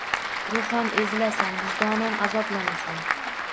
Ruhan ezilasan, vijdonan azoblanasan.